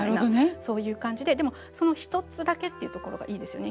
そういう感じででもその一つだけっていうところがいいですよね。